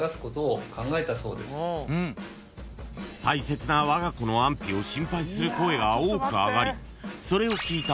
［大切なわが子の安否を心配する声が多くあがりそれを聞いた］